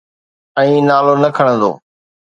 ۽ نالو نه کڻندو.